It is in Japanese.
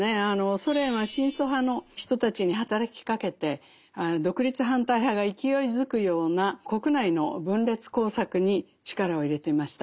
ソ連は親ソ派の人たちに働きかけて独立反対派が勢いづくような国内の分裂工作に力を入れていました。